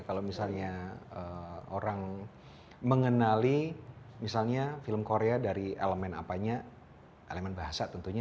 kalau misalnya orang mengenali misalnya film korea dari elemen apanya elemen bahasa tentunya